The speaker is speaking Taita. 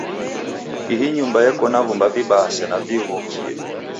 Ihi nyumba yeko na vumba vibaa sena vighokie.